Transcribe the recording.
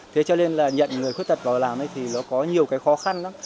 thế cho nên là nhận người khuyết tật vào làm thì nó có nhiều cái khó khăn lắm